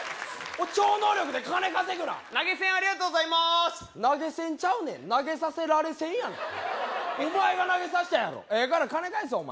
超能力で金稼ぐな投げ銭ありがとうございます投げ銭ちゃうねん投げさせられ銭やねんお前が投げさせたんやろええから金返せお前